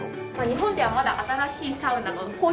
日本ではまだ新しいサウナの講習を。